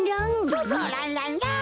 そうそうランランラン！